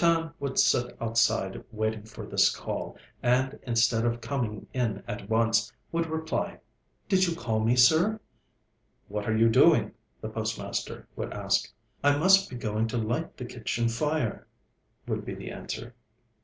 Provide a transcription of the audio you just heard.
Ratan would sit outside waiting for this call, and, instead of coming in at once, would reply: 'Did you call me, sir?' 'What are you doing?' the postmaster would ask. 'I must be going to light the kitchen fire,' would be the answer.